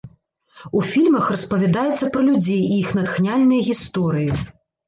У фільмах распавядаецца пра людзей і іх натхняльныя гісторыі.